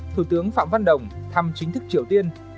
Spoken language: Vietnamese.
thủ tướng phạm văn đồng thăm chính thức triều tiên